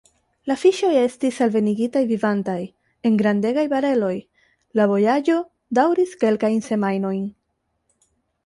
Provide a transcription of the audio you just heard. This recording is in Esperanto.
La fiŝoj estis alvenigitaj vivantaj, en grandegaj bareloj, la vojaĝo daŭris kelkajn semajnojn.